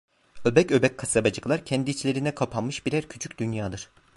Öbek öbek kasabacıklar, kendi içlerine kapanmış birer küçük dünyadır.